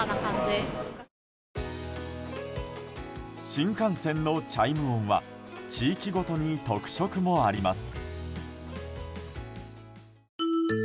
新幹線のチャイム音は地域ごとに特色もあります。